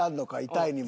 「痛い」にも。